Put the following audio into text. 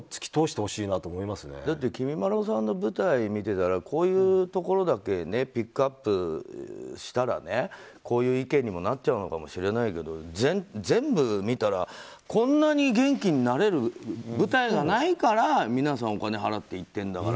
きみまろさんの舞台を見てたらこういうところだけピックアップしたらねこういう意見にもなっちゃうのかもしれないけど全部見たらこんなに元気になれる舞台がないから皆さん、お金を払って行ってるんだから。